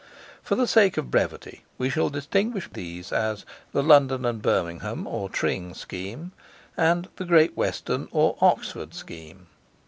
For the sake of brevity we shall distinguish these as the "London and Birmingham or Tring Scheme," and the "Great Western or Oxford Scheme."